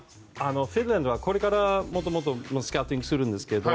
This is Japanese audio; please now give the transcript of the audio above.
フィンランドはこれからもスカウティングするんですけど。